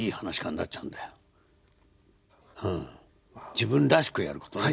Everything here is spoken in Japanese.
自分らしくやることね。